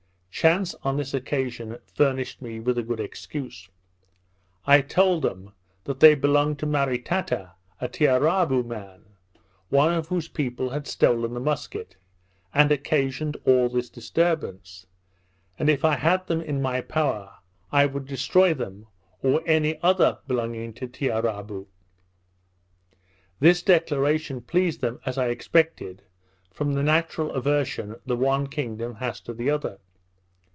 Chance on this occasion furnished me with a good excuse. I told them, that they belonged to Maritata, a Tiarabou man, one of whose people had stolen the musket, and occasioned all this disturbance; and if I had them in my power I would destroy them, or any other belonging to Tiarabou. This declaration pleased them, as I expected, from the natural aversion the one kingdom has to the other.